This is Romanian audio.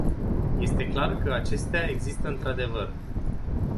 Este clar că acestea există într-adevăr.